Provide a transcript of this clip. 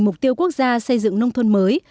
mục tiêu quốc gia xây dựng nông thôn mới